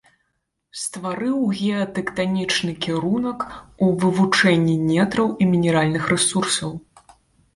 Стварыў геатэктанічны кірунак у вывучэнні нетраў і мінеральных рэсурсаў.